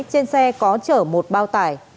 trên xe có chở một bao tải